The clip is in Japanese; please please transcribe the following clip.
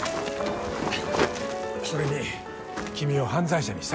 それに君を犯罪者にしたくない。